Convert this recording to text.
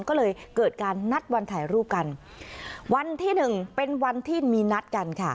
ก็เลยเกิดการนัดวันถ่ายรูปกันวันที่หนึ่งเป็นวันที่มีนัดกันค่ะ